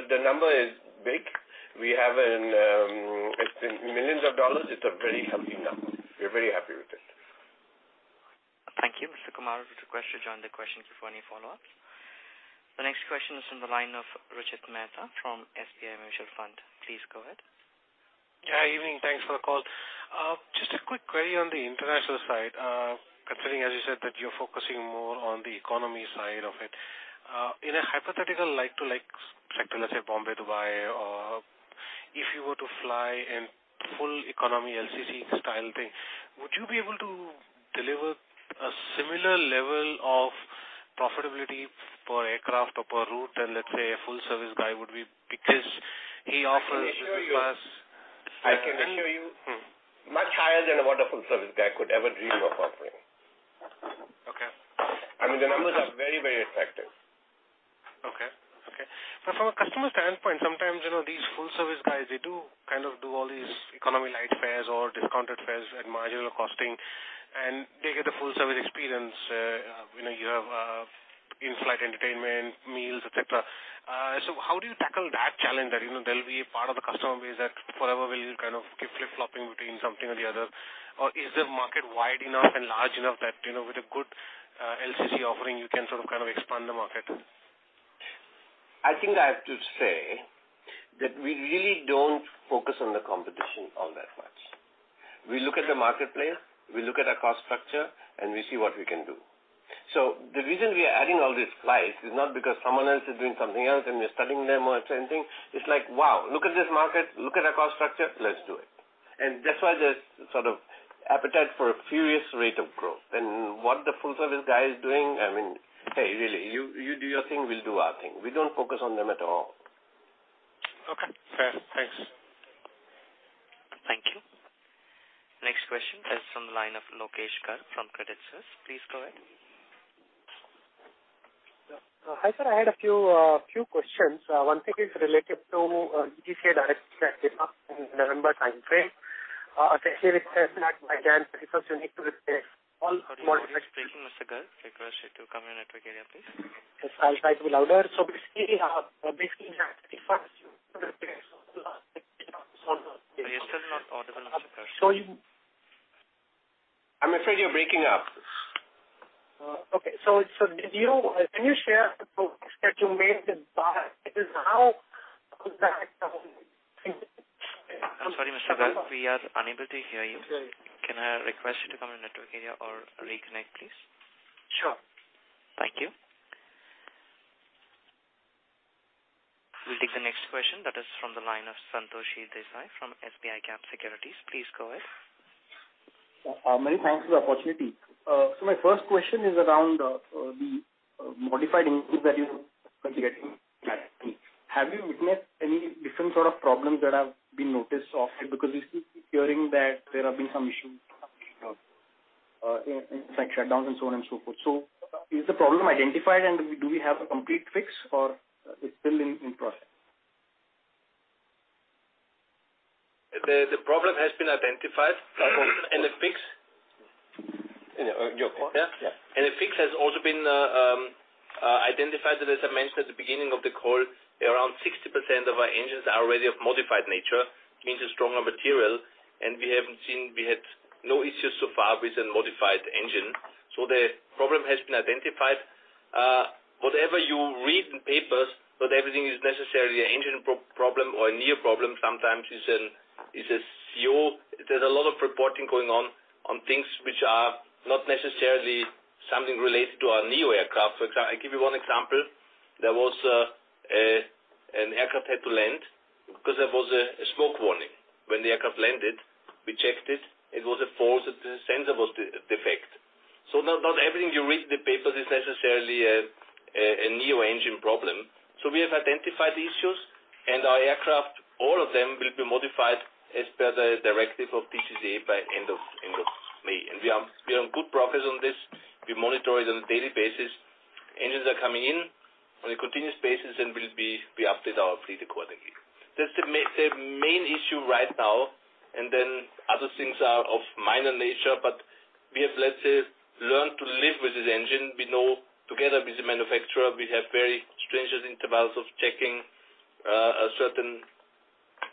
The number is big. It's in millions of dollars. It's a very healthy number. We're very happy with it. Thank you, Mr. Kumar. Request to join the questions before any follow-ups. The next question is from the line of Ruchit Mehta from SBI Mutual Fund. Please go ahead. Yeah, evening. Thanks for the call. Just a quick query on the international side, considering, as you said, that you're focusing more on the economy side of it. In a hypothetical like to let's say Bombay, Dubai, or if you were to fly in full economy LCC style thing, would you be able to deliver a similar level of profitability per aircraft or per route than let's say a full service guy would be? Because he offers. I can assure you much higher than what a full service guy could ever dream of offering. Okay. The numbers are very, very attractive. From a customer standpoint, sometimes these full service guys, they do all these economy light fares or discounted fares at marginal costing, and they get a full service experience. You have in-flight entertainment, meals, et cetera. How do you tackle that challenge? That there'll be a part of the customer base that forever will kind of keep flip-flopping between something or the other? Is the market wide enough and large enough that with a good LCC offering, you can sort of expand the market? I think I have to say that we really don't focus on the competition all that much. We look at the marketplace, we look at our cost structure, and we see what we can do. The reason we are adding all these flights is not because someone else is doing something else and we're studying them or certain things. It's like, Wow, look at this market. Look at our cost structure. Let's do it. That's why there's sort of appetite for a furious rate of growth. What the full service guy is doing, hey, really, you do your thing, we'll do our thing. We don't focus on them at all. Okay, fair. Thanks. Thank you. Next question is from the line of Lokesh Garg from Credit Suisse. Please go ahead. Hi, sir. I had a few questions. One thing is related to DGCA directive that came up in November timeframe. Especially with Sorry, Mr. Garg, request you to come in network area, please. Yes, I'll try to be louder. We are still not audible, Mr. Garg. I'm afraid you're breaking up. Okay. Can you share the progress that you made since. I'm sorry, Mr. Garg. We are unable to hear you. Sorry. Can I request you to come in network area or reconnect, please? Sure. Thank you. We'll take the next question that is from the line of Santosh Hiredesai from SBICAP Securities. Please go ahead. Many thanks for the opportunity. My first question is around the modified engines that you're considering. Have you witnessed any different sort of problems that have been noticed of it? We keep hearing that there have been some issues, like shutdowns and so on and so forth. Is the problem identified, and do we have a complete fix, or it's still in process? The problem has been identified. Your call? Yeah. A fix has also been identified. As I mentioned at the beginning of the call, around 60% of our engines are already of modified nature. It means a stronger material, we had no issues so far with the modified engine. The problem has been identified. Whatever you read in papers, not everything is necessarily an engine problem or a neo problem. Sometimes it's a ceo. There's a lot of reporting going on things which are not necessarily something related to our neo aircraft. I'll give you one example. There was an aircraft had to land because there was a smoke warning. When the aircraft landed, we checked it was a false. The sensor was defect. Not everything you read in the paper is necessarily a neo engine problem. We have identified the issues, and our aircraft, all of them, will be modified as per the directive of DGCA by end of May. We are on good progress on this. We monitor it on a daily basis. Engines are coming in on a continuous basis, and we update our fleet accordingly. That's the main issue right now, and then other things are of minor nature, but we have, let's say, learned to live with this engine. We know together with the manufacturer, we have very stringent intervals of checking certain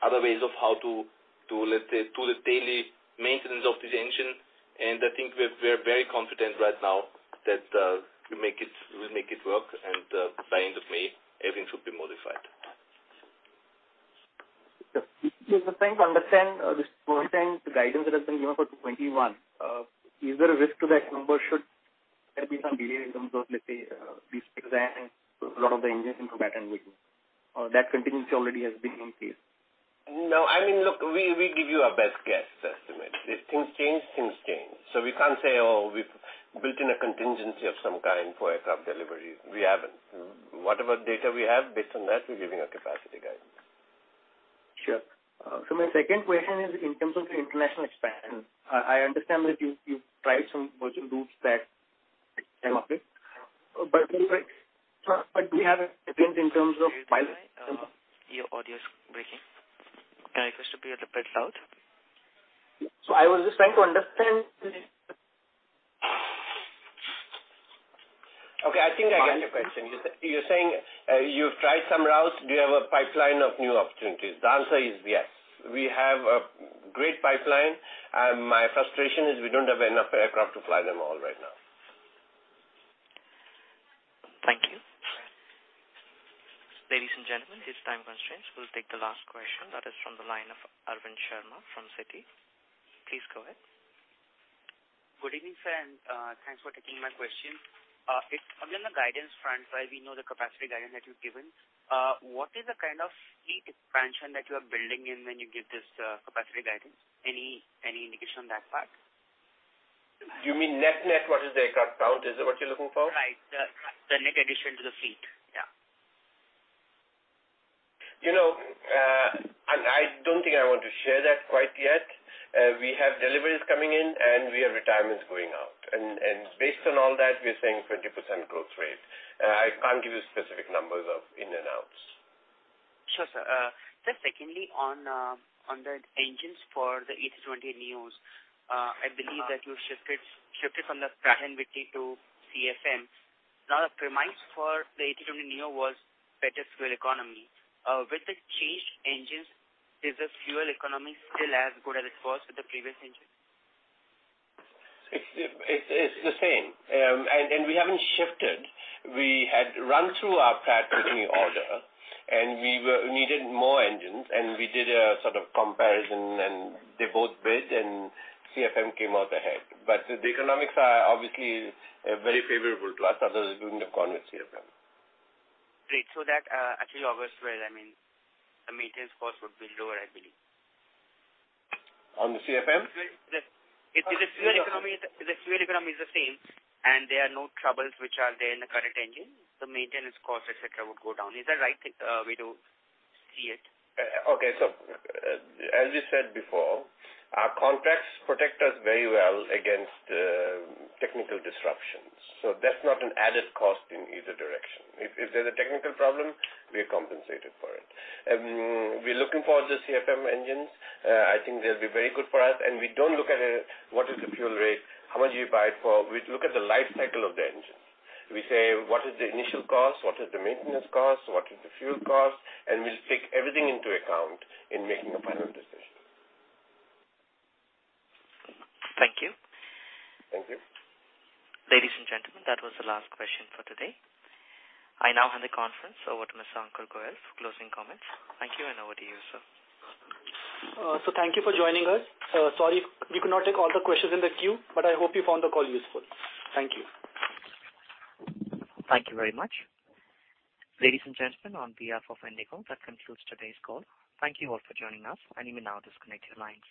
other ways of how to, let's say, do the daily maintenance of this engine. I think we're very confident right now that we'll make it work, and by end of May, everything should be modified. Just trying to understand this percent guidance that has been given for 2021. Is there a risk to that number? Should there be some delay in terms of, let's say, uncertain, or that contingency already has been included? No. Look, we give you our best guess estimate. If things change, things change. We can't say, oh, we've built in a contingency of some kind for aircraft deliveries. We haven't. Whatever data we have, based on that, we're giving a capacity guidance. Sure. My second question is in terms of the international expansion. I understand that you've tried some virtual routes that came up with. Do you have a change in terms of pilot- Mr. Hiredesai, your audio is breaking. Can I request you to be a little bit loud? I was just trying to understand. Okay. I think I get the question. You're saying, you've tried some routes. Do you have a pipeline of new opportunities? The answer is yes. We have a great pipeline. My frustration is we don't have enough aircraft to fly them all right now. Thank you. Ladies and gentlemen, it's time constraints. We'll take the last question that is from the line of Arvind Sharma from Citi. Please go ahead. Good evening, sir. Thanks for taking my question. On the guidance front, sir, we know the capacity guidance that you've given. What is the kind of fleet expansion that you are building in when you give this capacity guidance? Any indication on that part? You mean net what is the aircraft count? Is that what you're looking for? Right. The net addition to the fleet. Yeah. I don't think I want to share that quite yet. We have deliveries coming in, we have retirements going out. Based on all that, we're saying 20% growth rate. I can't give you specific numbers of in and outs. Sure, sir. Sir, secondly, on the engines for the A320neos, I believe that you shifted from the Pratt & Whitney to CFM. The premise for the A320neo was better fuel economy. With the changed engines, is the fuel economy still as good as it was with the previous engine? It's the same. We haven't shifted. We had run through our Pratt & Whitney order, and we needed more engines, and we did a sort of comparison, and they both bid, and CFM came out ahead. The economics are obviously very favorable to us, otherwise we wouldn't have gone with CFM. Great. That actually augurs, well, I mean, the maintenance cost would be lower, I believe. On the CFM? If the fuel economy is the same, and there are no troubles which are there in the current engine, the maintenance cost, et cetera, would go down. Is that right way to see it? Okay. As we said before, our contracts protect us very well against technical disruptions. That's not an added cost in either direction. If there's a technical problem, we are compensated for it. We're looking for the CFM engines. I think they'll be very good for us, and we don't look at it, what is the fuel rate, how much you buy it for? We look at the life cycle of the engine. We say, what is the initial cost, what is the maintenance cost, what is the fuel cost? We take everything into account in making a final decision. Thank you. Thank you. Ladies and gentlemen, that was the last question for today. I now hand the conference over to Mr. Ankur Goel for closing comments. Thank you, and over to you, sir. Thank you for joining us. Sorry, we could not take all the questions in the queue, but I hope you found the call useful. Thank you. Thank you very much. Ladies and gentlemen, on behalf of InterGlobe, that concludes today's call. Thank you all for joining us, and you may now disconnect your lines.